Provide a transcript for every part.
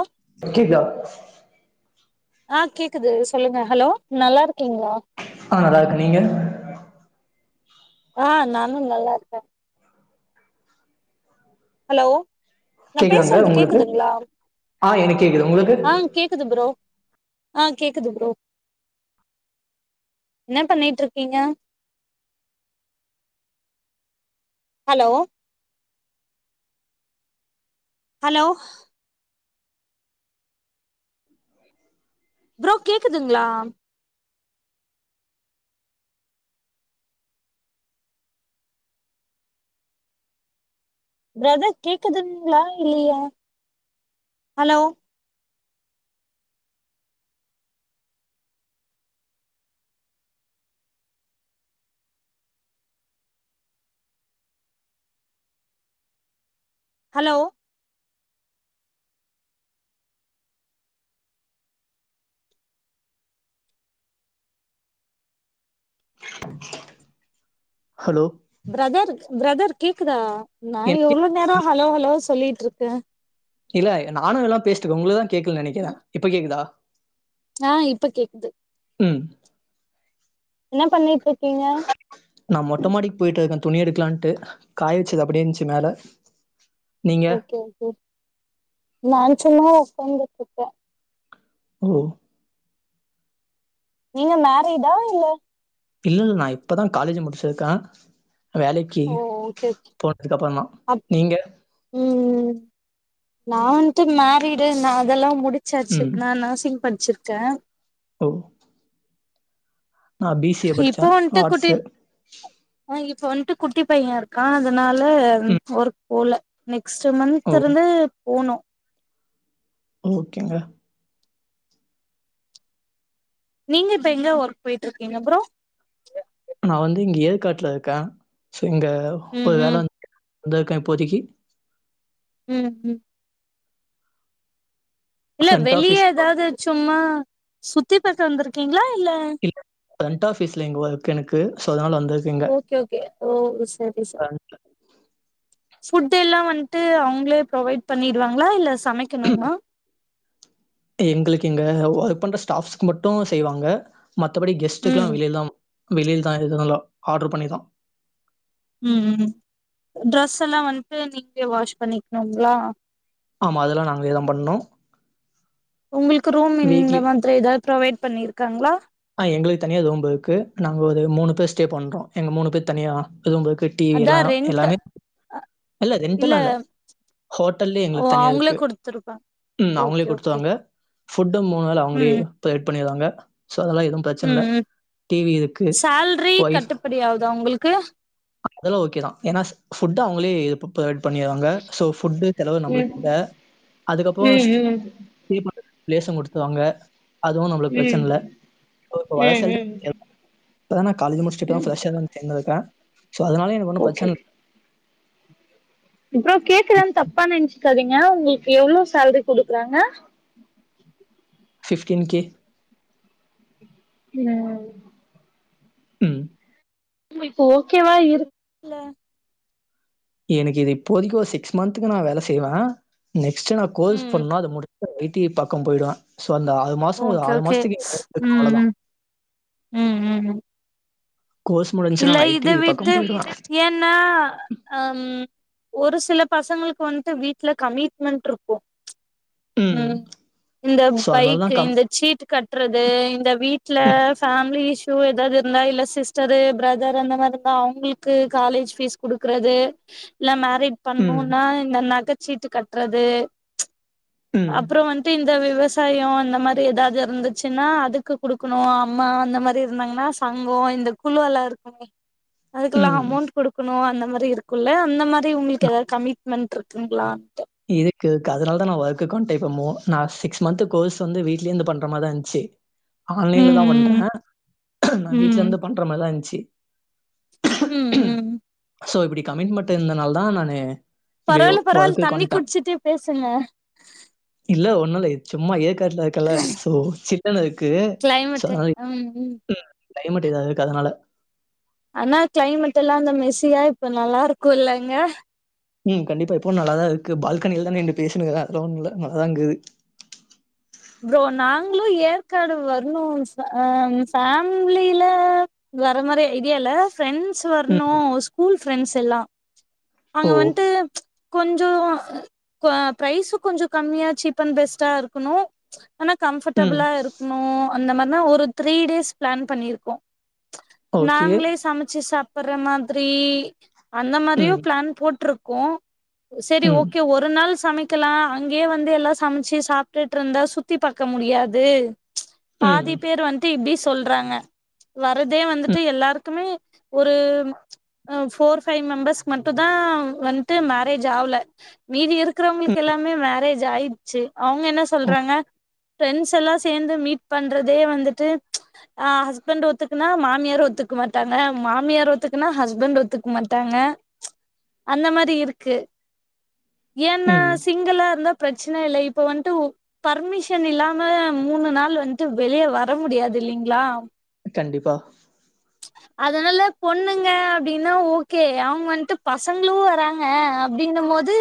ஆ அய்யயா ஆ கேக்குது சொல்லுங்க ஹலோ நல்லா இருக்கீங்ளா ஆ நல்லா இருக்க நீங்க ஆ நானு நல்லா இருக்க ஹலோ நா கேக்குதாங்க பேசறது உங்களுக்கு கேக்குதுங்ளா ஆ எனக்கு கேக்குது உங்களுக்கு ஆ கேக்குது ப்ரோ ஆ கேக்குது ப்ரோ என்ன பண்ணிட்ருக்கீங்க ஹலோ ஹலோ ப்ரோ கேக்குதுங்ளா பிரதர் கேக்குதுங்ளா இல்லையா hello hello hello brother brother கேக்குதா நா எனக்கு எவ்ளோ நேரோ ஹலோ ஹலோ சொல்லிட்ருக்கே இல்ல நானுல்லா பேஸ்ட்டுக்க உங்களுக்குதா கேக்கலன் நெனைக்கத இப்ப கேக்குதா ஆ இப்ப கேக்குது ம் என்ன பண்ணிட்ருக்கீங்க நா மொட்ட மாடிக் போயிட்ருக்கே துணி எடுக்கலான்ட்டு காய வச்சது அப்டே இருந்துச்சு மேல நீங்க ஓகே ஓகே நான் சும்மா ஒக்காந்துட்ருக்கே ஒ நீங்க மேரீடா இல்ல இல்லல்ல நா இப்பதா காலேஜ் முடிச்சிருக்கே வேலைக்கு ஓ ஓகே ஓகே போனதுக்கு அப்புறதான் அப் நீங்க ம் நா வன்ட்டு மேரிடு நா அதெல்லா முடி ச்சாச்சு ம் நா நர்சிங் படிச்சிருக்கே ஒ நான் பி சி ஏ படிச்சே இப்போ வந்துட்டு குட்டி ஆர்ட்ஸு ஆ இப்ப வன்ட்டு குட்டி பைய இருக்கா அதனால ம் ஒர்க போல நெக்ஸ்ட் ஓ மன்த் இருந்து போனு ஓகேங்க நீங்க இப்ப எங்க ஒர்க் போயிட்ருக்கீங்க ப்ரோ நா வந்து இங்க ஏற்காட்ல இருக்கே ஸோ இங்க ம் ஒரு வேல ம் வந்து வந்தருக்கே இப்போதைக்கி ம் ம் இல்ல ஃப்ரண்ட் வெளிய ஆஃபீஸ் ஏதாது சும்மா சுத்தி பாக்க வந்திருக்கீங்களா இல்ல இ ஃப்ரெண்ட் ஆஃபீஸ்ல இங்க ஒர்க் எனக்கு சோ அதனால வந்தர்க்கேங்க ஓகே ஓகே ஓ செரி செ அன்ட ஃபுட் எல்லா வன்ட்டு அவங்களே ப்ரொவைட் பண்ணிடுவாங்ளா இல்ல சமைக்கணுமா எங்களுக்கு இங்க ஒர்க் பண்ற ஸ்டாஃப்ஸ்க்கு மட்டு செய்வாங்க மத்தபடி கெஸ்ட்டுக்குல்லா ம் வெளிலதா வெளிலதா எதுனாலு ஆட்ரு பண்ணிதா ம் ம் ட்ரெஸ் எல்லா வந்து நீங்களே வாஷ் பண்ணிக்கணும்ங்களா ஆமா அதெல்லா நாங்ளேதா பண்ணு உங்களுக்கு ரூம் இந்த வீக்லி மாதிரி ஏதாது ப்ரொவைட் பண்ணிருக்காங்ளா ஆ எங்களுக்கு தனியா ரும் இருக்கு நாங்க ஒரு மூணு பேர் ஸ்டே பண்றோ எங்க மூணு பேர் தனியா ரும் இருக்கு டிவி அதா எல்லாம் ரென்ட் அ எல்லாமே இல்ல ரென்டெல்லா இல்ல ஹோட்டல்யே ஓ எங்களுக்கு தனியா அவங்களே இருக்கு குடுத்துருப்பாங்க ம் அவங்களே ஓகே ஓகே குடுத்துவாங்க ஃபுட் மூணு வேள அவங்களே ம் ப்ரொவட் பண்ணிருவாங்க சோ அதலா எது ப்ரச்சன இல்ல ம் ம் டி வி இருக்கு சேல்ரி ஒய்ஃப் கட்டுப்படி ஆகுதா உங்களுக்கு அதெல்லா ஓகேதா ஏன்னா ஃபுட் அவங்களே இ ப்ரொவைட் பண்ணிருவாங்க சோ ஃபுட் தெலவு நம்மளுக்கில்ல அதுக்கப்புறோ பே ப்ளேசு குடுத்துறுவாங்க அதுவு நம்ளுக்கு ப்ரச்சன ம் இல்ல இப்ப வல செல்ட் ம் இப்பதா நா காலேஜ் முடிச்சுட்டு ம் ஃபிரஸ்சா சேர்ந்திருக்கே சோ அதனால எனக்கு ஒண்ணு ஓகே பிரச்சன ஓகே ப்ரோ கேக்குறேன் தப்பா நெனச்சக்காதீங்க உங்களுக்கு எவ்ளோ சேல்ரி குடுக்குறாங்க ஃப்டின் கே ஒ ம் இப்போ ஓகேவா இருக் ல்ல எனக்கு இது இப்போதைக்கு ஒரு சிக்ஸ் மன்த்க்கு நா வேல செய்வே நெக்ஸ்ட் நா கோர்ஸ் ம் பண்ணா அது முடி ஐ டி பக்கோ போயிடுவே சோ அந்த ஆறு மாசோ ஒரு ஓகே ஆறு ஓகே மாசத்துக்குக்கு [unintelligible] ம் அவ்வளதா ம் ம் ம் கோர்ஸ் முடிஞ்ச்சுனா நா ஐ டி பக்கோ போயிடுவ நா அம் ஒரு சில பசங்களுக்கு வந்துட்டு வீட்ல கமிட்மெண்ட் இருக்கு ம் இந்த ஸோ அதனால பைக்கு தான் கம் இந்த சீட் கட்டுறது இந்த வீட்ல ம், ஃபேமிலி இஸ்சு எதாவது இருந்தா இல்ல சிஸ்டரு பிரதர் அந்த மாரி இப்ப அவுங்களுக்கு காலேஜ் ஃபீஸ் குடுக்கறது இல்ல மே ரீட் ம், பண்ணுனா இந்த நக சீட்டு கட்டுறது ம், அப்புறோ வன்ட்டு இந்த விவச சாயோ இந்த மாரி எதாது இருந்துச்சுன்னா அதுக்கு குடுக்கணு அம்மா அந்த மாரி இருந்தாங்கன்னா சங்கோ இந்த குழுவல்லா இருக்குமே அதுக்கெல்லா ம். அமொண்ட் குடுக்கணு அந்த மாரி இருக் குள்ள அந்த மாரி உங்களுக்கு எதாவது கமிட்மெண்ட் இருக்குங்களான்ட்டு இதுக்கு க்கு அதனால தா நா ஒர்க்கு வண்டேப்போ நா சிக்ஸ் மந்த் கோர்ஸ் வந்து வீ்ட்லேந்து பண்ற மாரிதா இருந்துச்சு [inaudible] ம் ஆன்லைன்லதா பண்றே ம் நா ம் வீட்டலருந்து பண்ற மாதிதா இருந்துச்சி ம் ம் சோ இப்படி கமிட்மெட் இருந்தனால தா நானு இப்படி பரால்ல பரவால்ல ஒர்க்குக்கு தண்ணி வந்துட்டேன். குடிச்சுட்டே பேசுங்க இல்ல ஒண்ணு இல்ல இது சும்மா ஏற்காட்டுல க்கல்ல சோ சிக்கன் இருக்கு சோ கிளைமேட்டு அதனால ம் ம் க்ளைமட் இதா இருக்கு அதனால ஆனா கிளைமேட் எல்லா அந்த மெஸியா இப்ப நல்லாருக்கு இல்லங்க ம் கண்டிப்பா இப்பவு நல்லாதா இருக்கு பால்கனியில தா நீன்னு பேசுறே அதல்லா ஒன்னுல்ல நல்லாதா இங்குது ப்ரோ நாங்களு ஏற்காடு வரணு ஃபேமிலில வர மாறி ஐடியா இல்ல ஃப்ரெண்ட்ஸ் ம். வரணு ஸ்கூல் ஃப்ரெண்ட்ஸ் எல்லா அங்க ஓ! வன்ட்டு கொஞ்சோ ப்ரைஸு கொஞ்சோ கம்மியா சீப் அண்ட் பெஸ்ட்டா இருக்கணு ஆனா ம். கம்ஃபர்ட்டபுளா இருக்கணு அந்த மார்னா ஒரு த்ரீ டேஸ் பிளான் பண்ணியிருக்கோ ஓகே. நாங்களே சமைச்சு சாப்பிட்ற மாதிரி அந்த மாரியு ம். பிளான் போட்டிருக்கோ செரி ம். ஓகே ஒரு நாள் சமைக் இருக்கலா அங்கேயே வந்து எல்லா சமைச்சு சாப்ட்டுட்டு இருந்தா சுத்தி பாக்க முடியாது ம். பாதி ம். பேர் வந்ட்டு இப்டி சொல்றாங்க வரதே ம். வந்துட்டு எல்லாருக்குமே ஒரு ஃபோர் ஃபை மெம்பர்ஸ்க்கு மட்டு தா வந்துட்டு மேரேஜ் ஆகல மீதி இரு ருக்கறவங்களுக்கு எல்லாமே மேரேஜ் ஆயிச்சு அவங்க என்ன ம். சொல்றாங்க ஃப்ரரெண்ட்ஸ் எல்லா சேர்ந்து மீட் பண்றதே வந்துட்டு அ ஹஸ்பண்ட் ஒத்துக்குன்னா மாமியாரு ஒத்துக்க மாட்டாங்க மாமியார் ஒத்துக்கனா ஹஸ்பண்ட் ஒத்துக்க மாட்டாங்க அந்த மாரி இருக்கு ஏன்ன ம். சிங்கிலா இருந்தா பிரச்சனை இல் இப்ப வந்ட்டு பர்மிஷன் இல்லாம மூணு நாள் வந்துட்டு வெளிய வர முடியாது இல்லைங்களா கண்டிப்பா அதனால பொண்ணுங்க அப்படின்னா ஓகே அவங்க வந்துட்டு பசங்களு வராங் க அப்படினும் போது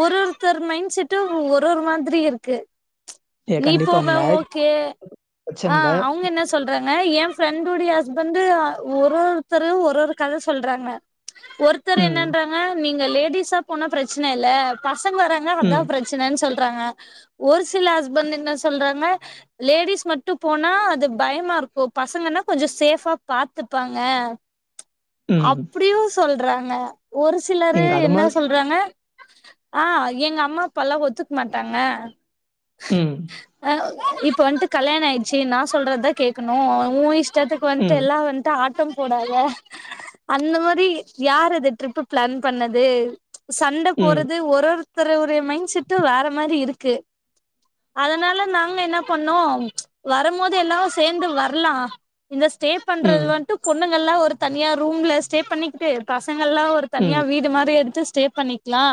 ஒரு ஒருத்தர் மைண்ட் செட்டு ஒரு ஒரு மாதிரி இருக்கு ஏ நீ கண்டிப்பா. போவ மேரேஜ் ஓகே ஆ பிரச்சனல அவங்க என்ன சொ சொல்றாங்க என் ஃப்ரெண்டோடைய ஹஸ்பண்ட் ஒரு ஒருத்தர் ஒரு ஒரு கதை சொல்றாங்க ஒருத்தர் ம், என்னன்றறாங்க நீங்க லேடிஸா போனா பிரச்சனை இல்ல பசங்க வராங்க அதா ம், பிரச்சனை பிரச்சனன் சொல்றாங்க ஒரு சில ஹஸ்பண் என்ன சொல்றாங்க லேடிஸ் மட்டு போனா அது பயமா இருக்கு பசங்கன்னா கொஞ்ச சேஃபா பாத்துப்பாங்க ம். அப்டியு சொல்றாங்க ஒரு சிலரு எங்க அது என்ன மாரி சொல்றாங்க ஆ எங்க அம்மா அப்பால்லா ஒத்துக் மாட்டாங்க ம் அ இப்ப வந்ட்டு கல்யாண ஆயிடுச்சு நா சொல்றது தா கேட்கணு உ இஸ் இஸ்டத்துக்கு வந்ட்டு ம், எல்லா வந்ட்டு ஆட்டம் போடாத அந்த மாரி யார் அது ட்ரிப்பு பிளான் பண்ணது சண்ட ம், போர்றது ஒரு ஒருத்தர உடைய மைண்ட் செட்டு வேற மாரி இருக்கு அதனால நாங்க என்ன பண்ணோ வரம்போது எல்லார சேர்ந்து வர்லா இந்த ஸ்டே பண்றது ம், வந்துட்டு பொண்ணுங்கள்லா ஒரு தனியா ரூம்ல ஸ்டே பண்ணிக்கிட்டு பசங்கள்லா ஒரு தனியா ம். வீடு மாரி எடுத்து ஸ்டே பண்ணிக்லா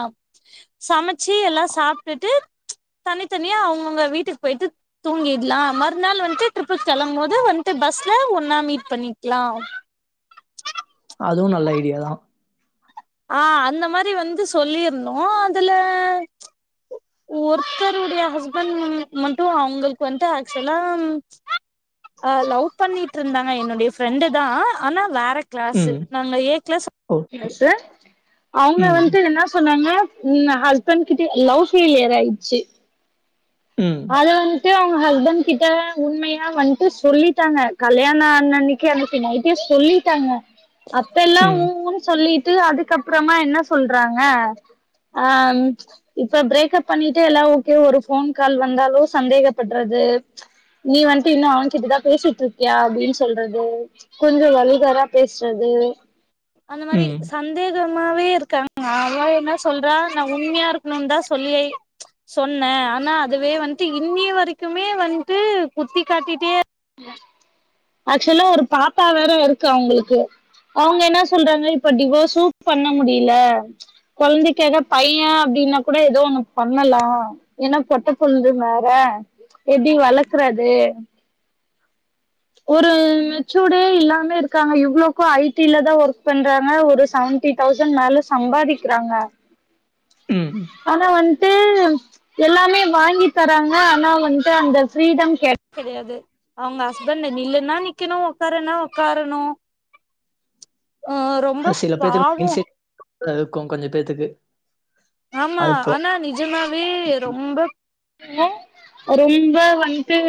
சமச்சி எல்லா சாப்ட்டுட்டு தனித்தனியா அவுங்கவுங்க வீட்டுக்கு போயிட்டு தூங்கிட்லா மறுநாள் வந்துட்டு ட்ரிப்புக் கெளம் போது வந்துட்டு பஸ்ல ஒன்னா மீட் பண்ணிக்லாம் அதுவு நல்ல ஐடியா தா ஆ அந்த மாதிரி வந்து சொல்லிர்ணு அதுல ஒருத்தருடைய ஹஸ்பண்ட் மட்டு அவுங்களுக்கு வந்துட்டு ஆக்சுவலா அ லவ் பண்ணிட் இருந்தாங்க என்னுடைய ஃப்ரெண்டு தா ஆனா வேற கிளாசு ம். நாங்க ஏ கிளாஸ் ஓகே. கிளாஸ்சு அவுங்க ம், வந்துட்டு என்ன சொன்னாங்க ம் ஹஸ்பண்ட் கிட்ட லவ் ஃபெயிலியர் ஆயிச்சு ம் அத வந்ட்டு அவுங்க ஹஸ்பண்ட் கிட்ட உண்மையா வந்ட்டு சொல்லிட்டாங்க கல்யாண அண்ணைக் கே அன்னைக்கு நைட்டே சொல்லிட்டாங்க அப்பெல்லா ம், உ உன் சொல்லிட்டு அதுக்கப் பறமா என்ன சொல்றாங்க அ இப்ப பிரேக்ப் பண்ணட்டு எல்லா ஓகே ஒரு போன் கால் வந்தாலோ சந்தேகப்பட்றது நீ வந்ட்டு இன்னு அவன் கிட்ட தா பேசிட்ருக்கியா அப்டின் சொல்றது கொஞ்ச வல்கரா பேசுறது அந்த மாரி ம், சந்தேக மாவே இருக்காங்க அவ என்ன சொல்றா நா உண்மையா இருக்ணுன் தா சொல்லியே சொன்ன ஆனா அதுவே வந்ட்டு இன்னி வரைக்குமே வந்ட்டு குத்தி காட்டிட்டே ஆக்சுவலா ஒரு பாப்பா வேற இருக்கு அவுங்களுக்கு அவுங்க என்ன சொல்றாங்க இப்போ டிவோஸ்சு பண்ண முடில கொழந்தைக்காக பைய அப்டின்னா கூட ஏதோ ஒண்ணு பண்ணலா ஏன்னா பொட்ட பொட்டபுள்ள வேற எப்டி வளர்க்றது ஒரு மெச்சூடே இல்லாமே இருக்காங்க இவ்ளோக்கு ஐ டி ல தா ஒர்க் பண்றாங்க ஒரு சவன் டி தௌசண்ட் மேல சம்பாதிக்கிறாங்க ம் ஆனா வந்ட்டு எல்லாமே வாங்கி தராங்க ஆனா வந்து அந்த ஃப்ரீடம் கெடையாது அவுங்க ஹஸ்பண்ட்டு நில்லுனா நிக்கணு உக்காரனா உக்காரணு அ ரொம்ப பாவு இருக்கு கொஞ்ச பேத்துக்கு ஆமா அது போ ஆனா நிஜமாவே ரொம்ப இன்னுரொம்ப வந்ட்டு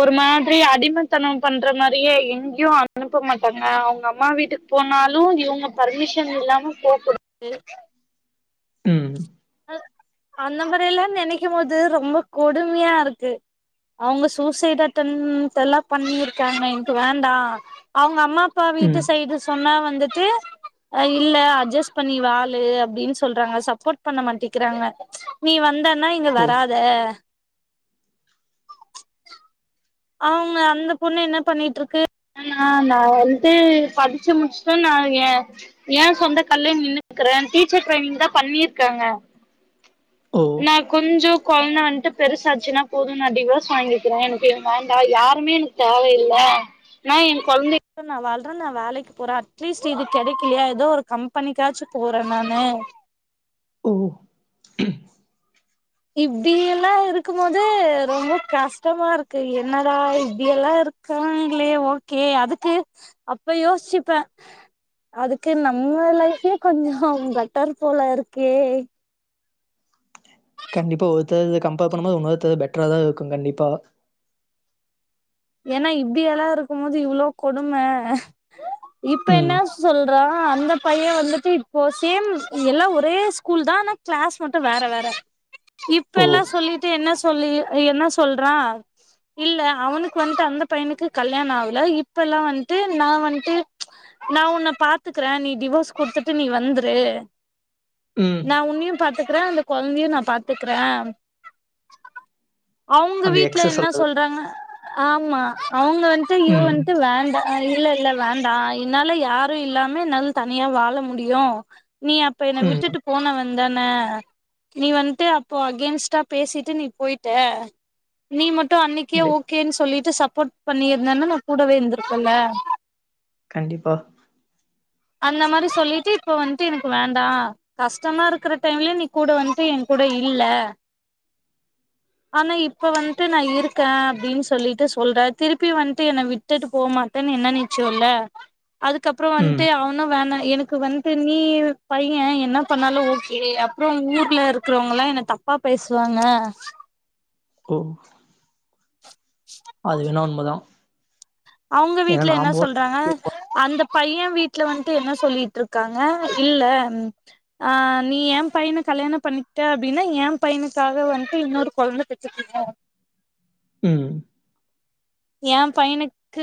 ஒரு மாதிரி அடிமைத்தன பண்ற மாரியே எங்கேயு அனுப்ப மாட்டாங்க அவங்க அம்மா வீட்டுக் போனாலு இவங்க பர்மிஷன் இல்லாம போகக்கூடா ம் அந்த மாரியெல்லா நினைக்கு போது ரொம்ப கொடுமையா இருக்கு அவங்க சூசைட் அட்டன் த்ல்லா பண்ணிருக்காங்க எனக்கு வேண்டா அவங்க அம்மா அப்பா வீட்டு ம். சைடு சொன்னா வந்துட்டு ஆ இல்ல அட்ஜஸ்ட் பண்ணி வாழு அப்டின்னு சொல்றாங்க சப்போர்ட் பண்ண மாட்டேிக்கிறாங்க நீ வந்தன்னா இங்க ஓ, வராதே அவங்க அந்த பொண்ணு என்ன பண்ணிட்டு இருக்கு நா வந்துட்டு படிச்சு முடிச்சுட்டு நா ஏ ஏ சொந்த கால்யே நின்னுக்குறே டீச்சர் ட்ரைனிங் தா பண்ணியிருக்காங்க ஓ, நான் கொஞ்சோ குழந்தை வந்துட்டு பெருசாச்சுன்னா போது நா டிவோர்ஸ் வாங்கிக்கிறே எனக்கு வோண்டா யாருமே எனக்கு தேவையில்ல நா என் கொழந்த நான் வாழ்றேன் நான் வேலைக்கு போறேன் அட்லீஸ்ட் இது கிடைக்கலையா ஏதோ ஒரு கம்பெனிக்காச்சும் போறேன் நானு ம் இப்படியெல்லா இருக்கும் போது ரொம்ப கஷ்டமா இருக்கு என்னடா இப்படியெல்லாம் இருக் காங்களே ஓகே அதுக்கு அப்ப யோசிச்சுப்பேன் அதுக்கு நம்ம லைஃபே கொஞ்சோ பெட்டர் போல இருக்கே கண்டிப்பா ஒருத்தர கம்பேர் பண்ணும்போது ஒன்னொருத்தரு பெட்டரா தா இருக்கு கண்டிப்பா ஏனா இப்படியெல்லா இருக்கும் போது இவ்வளவு கொடுமே இப்ப என்ன ம். சொல்ற அந்த பையன் வந்துட்டு இப்போ சேம் எல்லா ஒரே ஸ்கூல் தா ஆனா கிளாஸ் மட்டும் வேற வேற இப்ப ஓ, எல்லா சொல்லிட்டு என்ன சொல்லி என்ன சொல்றா இல்ல அவனுக் இப்ப வந்துட்டு அந்த பையனுக்கு கல்யாண ஆகல இப்பெல்லா வந்துட்டு நா வந்துட்டு நான் உன்னை பாத்துக்கறேன் நீ டிவோர்ஸ் குடுத்துட்டு நீ வந்துரு ம். நான் உன்னையும் பாத்துக்கறேன் இந்த குழந்தையும் நான் பாத்துக்றேன் அவுங்க அந்த வீட்டுல எக்ஸ் என்ன சொல்றது. சொல்றாங்க ஆமா அவங்க வந்துட்டு இவ ம், வந்துட்டு வேண்டா இல்ல இல்ல வேண்டா என்னால யாரும் இல்லாம என்னால தனியா வாழ முடியும் நீ அப்ப என் ம். விட்டுட்டு போன வந்தானே நீ வந்துட்டு அப்போ அகேன்ஸ்டா பேசிட்டு நீ போயிட்ட நீ மட்டும் அன்னைக்கே கண்டிப்பா. ஓகேனு சொல்லிட்டு சப்போர்ட் பண்ணியிருந்தன்னா நான் கூடவே இருந்திருப்பல்ல கண்டிப்பா அந்த மாதிரி சொல்லிட்டு இப்ப வந்துட்டு எனக்கு வேண்டாம் கஷ்டமா இருக்கற டைம்ல நீ கூட வந்துட்டு என் கூூட இல்ல ஆனா இப்ப வந்துட்டு நான் இருக்கேன் அப்டின்னு சொல்லிட்டு சொல்ற திருப்பி வந்துட்டு என்னை விட்டுட்டு போகமாட்டேன்னு என்ன நிச்சயோல்ல அதுக்கப்பற ம். வந்துட்டு அவனு வேணா எனக்கு வந்து நீ பையன் என்ன பண்ணாலு ஓகே அப்பற ஊர்ல இருக்கிறவங்கல்லா என்ன தப்பா பேசுவாங்க ஓ அது வேணா உண்மைதா அவுங்க வீட்டு்ல என்ன சொல்றாங்க அந்த பையன் வீட்டுல வந்துட்டு என்ன சொல்லிட்டு இருக்காங்க இல்ல ம் ஆ நீ ஏ பையனை கல்யாண பண்ணிட்டே அப்டின்னா ஏ பையனுக்காக வந்துட்டு இன்னொரு குழந்தை பெத்துக்கனு ம் யா பையனு க்கு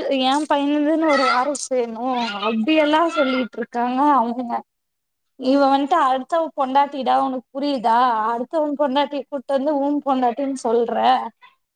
பையனுதுன்னு ஒரு வாரம் செய்யணும் அப்டியெல்லாம் சொல்லிட்டு இருக்காங்க அவுங்க இவ வந்துட்டு அடுத்தவ பொண்டாட்டிடா உனக்கு புரியுதா அடுத்தவன் பொண்டாட்டி கூட் டு வந்து ஊன் போண்ணாட்டின்னு சொல்ற